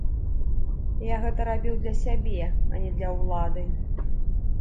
Я гэта рабіў для сябе, а не для ўлады.